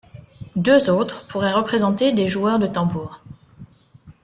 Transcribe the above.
Deux autres pourraient représenter des joueurs de tambour.